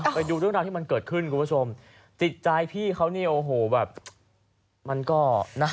ไปดูเรื่องราวที่มันเกิดขึ้นคุณผู้ชมจิตใจพี่เขาเนี่ยโอ้โหแบบมันก็นะ